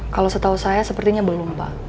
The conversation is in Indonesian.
kalau setahu saya sepertinya belum pak